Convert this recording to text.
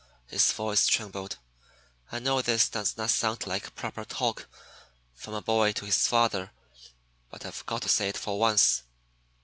His voice trembled. "I know this does not sound like proper talk from a boy to his father; but I've got to say it for once.